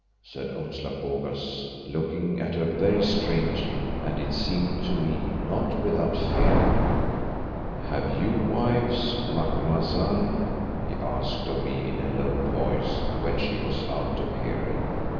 said Umslopogaas, looking at her very strangely, and it seemed to me not without fear. "Have you wives, Macumazahn?" he asked of me in a low voice when she was out of hearing.